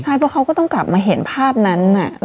ใช่เพราะเขาก็ต้องกลับมาเห็นภาพนั้น